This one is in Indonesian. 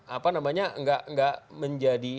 apa namanya nggak menjadi